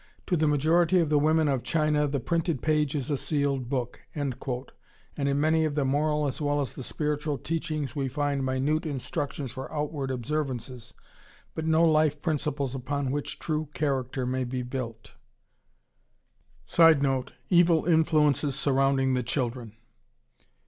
"to the majority of the women of China the printed page is a sealed book," and in many of the moral as well as the spiritual teachings we find minute instructions for outward observances, but no life principles upon which true character may be built. [Sidenote: Evil influences surrounding the children.